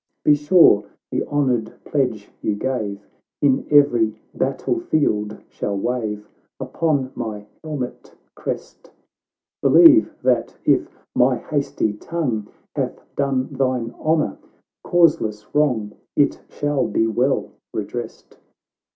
Be sure the honoured pledge you gave Iu every battle field shall wave Upon my helmet crest; Believe, that if my hasty tongue Hath done thine honour causeless wrong, It shall be well redressed.